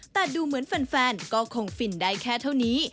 แต่ดูเหมือนแฟนก็คงฟินได้แค่เท่านี้